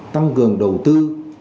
tăng cường đầu tư